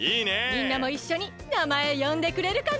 みんなもいっしょになまえよんでくれるかな？